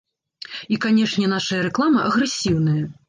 І, канечне, нашая рэклама агрэсіўная.